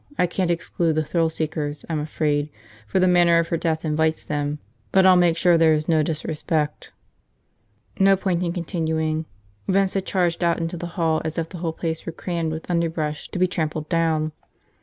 I can't exclude the thrill seekers, I'm afraid, for the manner of her death invites them, but I'll make sure that there is no disrespect. ..." No point in continuing. Vince had charged out into the hall as if the whole place were crammed with underbrush to be trampled down.